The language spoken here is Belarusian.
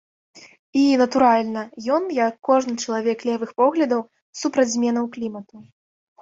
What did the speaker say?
І, натуральна, ён, як кожны чалавек левых поглядаў, супраць зменаў клімату.